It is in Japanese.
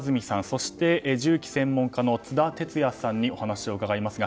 そして銃器専門家の津田哲也さんにお話を伺いますが。